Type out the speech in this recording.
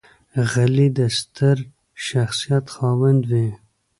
غلی، د ستر شخصیت خاوند وي.